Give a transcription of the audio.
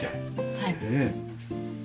はい。